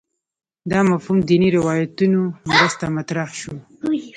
دا مفهوم دیني روایتونو مرسته مطرح شو